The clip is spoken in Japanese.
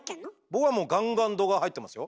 僕はもうガンガン度が入ってますよ。